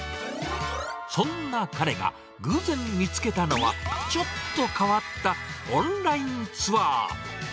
そんな彼が、偶然見つけたのは、ちょっと変わったオンラインツアー。